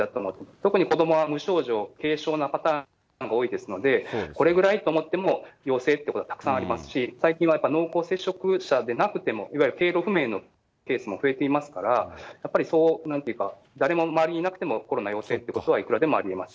特に子どもは無症状、軽症なパターンが多いですので、これぐらいと思っても、陽性ってことはたくさんありますし、最近はやっぱ濃厚接触者でなくても、いわゆる経路不明のケースも増えていますから、やっぱり、なんていうか、誰も周りにいなくても、コロナ陽性ってことはいくらでもありえます。